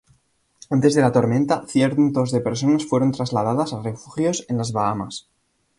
Antes de la tormenta, cientos de personas fueron trasladadas a refugios en las Bahamas.